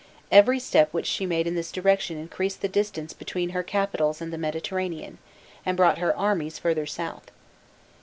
Every step which she made in this direction increased the distance between her capitals and the Mediterranean, and brought her armies further south.